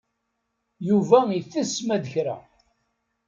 Yuba itess ma d kra.